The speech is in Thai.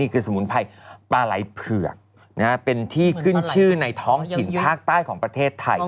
คือสมุนไพรปลาไหล่เผือกเป็นที่ขึ้นชื่อในท้องถิ่นภาคใต้ของประเทศไทย